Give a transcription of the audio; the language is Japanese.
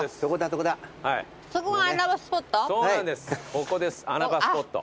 ここです穴場スポット。